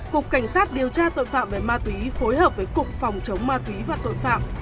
cục cảnh sát điều tra tội phạm về ma túy phối hợp với cục phòng chống ma túy và tội phạm